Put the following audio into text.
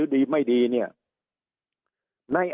สุดท้ายก็ต้านไม่อยู่